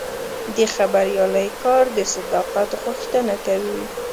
د خبریالۍ کار د صداقت غوښتنه کوي.